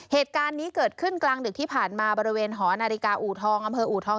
เหตุการณ์นี้เกิดขึ้นกลางดึกที่ผ่านมาบริเวณหอนาฬิกาอูทองอำเภออูทอง